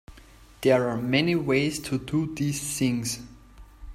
There are many ways to do these things.